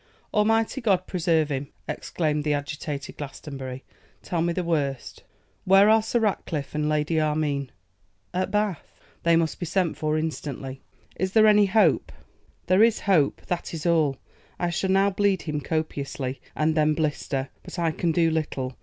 'Almighty God preserve him!' exclaimed the agitated Glastonbury. 'Tell me the worst!' 'Where are Sir Ratcliffe and Lady Armine?' 'At Bath.' 'They must be sent for instantly.' 'Is there any hope?' 'There is hope; that is all. I shall now bleed him copiously, and then blister; but I can do little.